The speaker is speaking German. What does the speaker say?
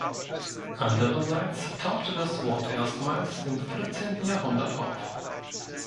Andererseits tauchte das Wort erstmals im fünfzehnten Jahrhundert auf.